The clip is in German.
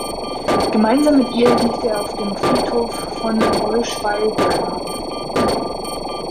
Gemeinsam mit ihr liegt er auf dem Friedhof von Bollschweil begraben.